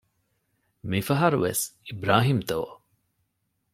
މި ފަހަރު ވެސް އިބްރާހީމްތޯ؟